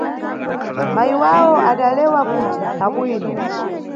Mayi wawo adalewa kuti mpsabwino.